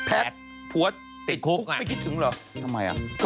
ไม่ทิ้งหรอ